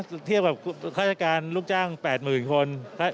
ไม่ได้เยอะนะเทียบกับค่าใช้การลูกจ้าง๘๐๐๐๐คน